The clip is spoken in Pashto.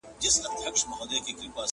تر قیامته خو دي نه شم غولولای.!